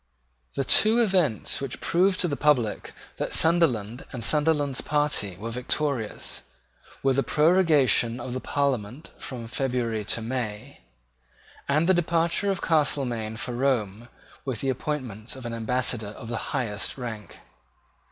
The two events which proved to the public that Sunderland and Sunderland's party were victorious were the prorogation of the Parliament from February to May, and the departure of Castelmaine for Rome with the appointments of an Ambassador of the highest rank.